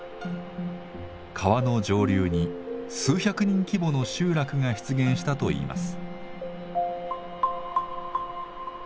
川の上流に数百人規模の集落が出現したといいます。